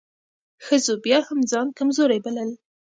ښځو بيا هم ځان کمزورۍ بلل .